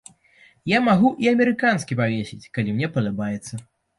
Я магу і амерыканскі павесіць, калі мне падабаецца.